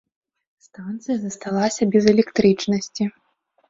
Станцыя засталася без электрычнасці.